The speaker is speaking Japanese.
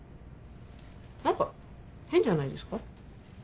何か変じゃないですか？